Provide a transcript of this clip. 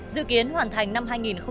dự kiến hoàn thành năm hai nghìn một mươi ba